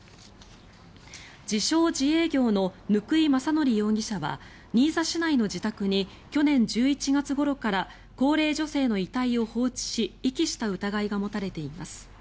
自称・自営業の貫井政徳容疑者は新座市内の自宅に去年１１月ごろから高齢女性の遺体を放置し遺棄した疑いが持たれています。